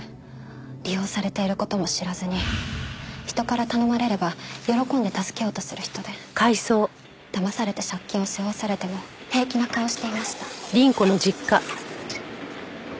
利用されている事も知らずに人から頼まれれば喜んで助けようとする人でだまされて借金を背負わされても平気な顔をしていました。